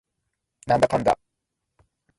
なんだかんだ